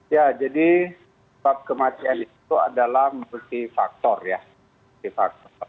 ya jadi sebab kematian itu adalah berarti faktor ya